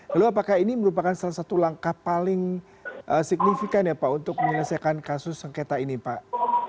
lalu apakah ini merupakan salah satu langkah paling signifikan ya pak untuk menyelesaikan kasus sengketa ini pak